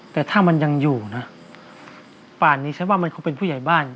แต่ถ้ามันยังอยู่นะป่านนี้ฉันว่ามันคงเป็นผู้ใหญ่บ้าน